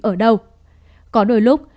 ở đâu có đôi lúc